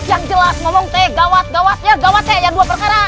ada gawat yang berkara